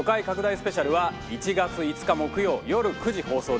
スペシャルは１月５日木曜よる９時放送です。